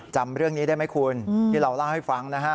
จำเรื่องนี้ได้ไหมคุณที่เราเล่าให้ฟังนะฮะ